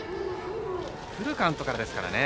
フルカウントからですからね。